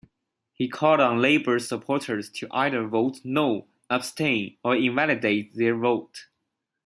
He called on Labour supporters to either vote No, abstain or invalidate their vote.